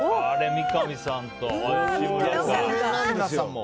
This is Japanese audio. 三上さんと吉村が。